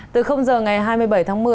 từ giờ ngày hai mươi bảy tháng một mươi